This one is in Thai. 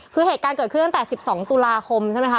คือเหตุการณ์เกิดขึ้นตั้งแต่๑๒ตุลาคมใช่ไหมคะ